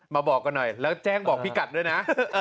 บอกกันหน่อยแล้วแจ้งบอกพี่กัดด้วยนะ